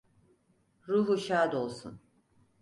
Ruhu şad olsun.